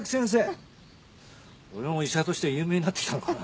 俺も医者として有名になってきたのかなあ。